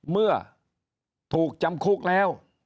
เมื่อถูกจำคุกแล้ว